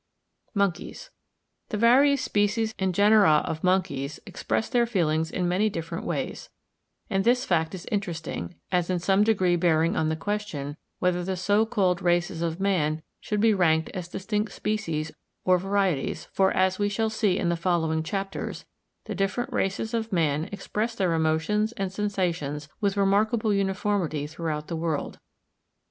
Monkeys.—The various species and genera of monkeys express their feelings in many different ways; and this fact is interesting, as in some degree bearing on the question, whether the so called races of man should be ranked as distinct species or varieties; for, as we shall see in the following chapters, the different races of man express their emotions and sensations with remarkable uniformity throughout the world.